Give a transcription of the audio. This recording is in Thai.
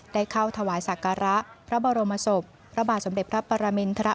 ได้เข้าถวายศักระพระบรมศพพระบาทสมเด็จพระปรมินทร